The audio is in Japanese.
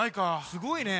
すごいね。